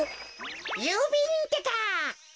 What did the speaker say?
ゆうびんってか。